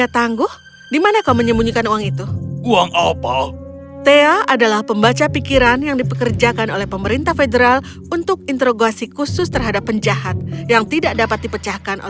song pembaca pikiran